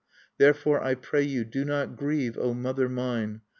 "Therefore, I pray you, do not grieve, O mother mine!